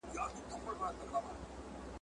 نه استاد وي نه منطق نه هندسه وي ,